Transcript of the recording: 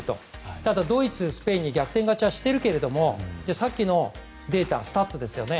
ただ、ドイツ、スペインに逆転勝ちはしているけどさっきのスタッツですよね